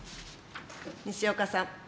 西岡さん。